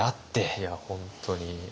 いや本当に。